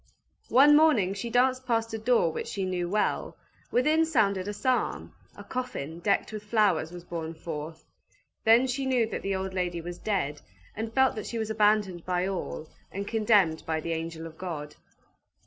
One morning she danced past a door which she well knew. Within sounded a psalm; a coffin, decked with flowers, was borne forth. Then she knew that the old lady was dead, and felt that she was abandoned by all, and condemned by the angel of God.